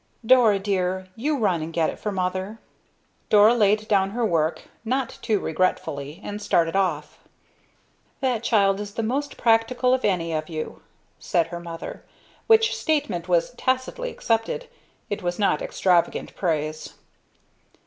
Dora, dear, you run and get it for mother." Dora laid down her work, not too regretfully, and started off. "That child is the most practical of any of you," said her mother; which statement was tacitly accepted. It was not extravagant praise.